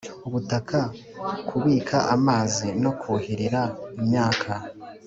ubutaka kubika amazi no kuhirira imyaka